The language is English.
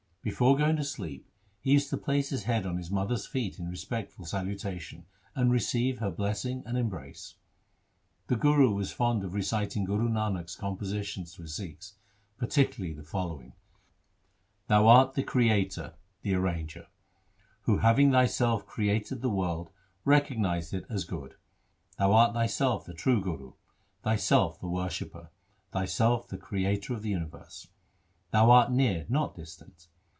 Before going to sleep he used to place his head on his mother's feet in respectful salutation and receive her blessing and embrace. The Guru was fond of reciting Guru Nanak's com positions to his Sikhs, particularly the following: — Thou art the Creator, the Arranger, Who having Thyself created the world recognized it as good. Thou art Thyself the True Guru, Thyself the Worshipper, Thyself the Creator of the universe. Thou art near, not distant.